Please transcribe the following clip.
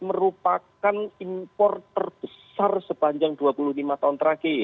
merupakan impor terbesar sepanjang dua puluh lima tahun